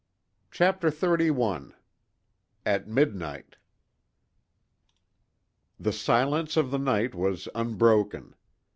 CHAPTER XXXI AT MIDNIGHT The silence of the night was unbroken.